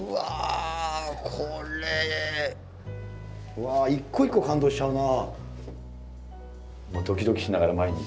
うわ一個一個感動しちゃうな。